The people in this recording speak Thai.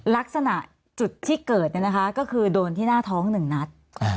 ลักษณะจุดที่เกิดก็คือโดนที่หน้าท้อง๑นัด